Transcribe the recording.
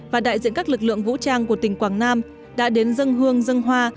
và đại diện các lực lượng vũ trang của tỉnh quảng nam đã đến dâng hương dâng hoa